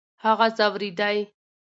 هغه ځورېدی .